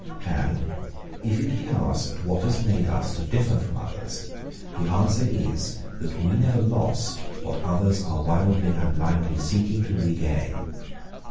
And, if it be asked what has made us to differ from others, the answer is that we never lost what others are wildly and blindly seeking to regain.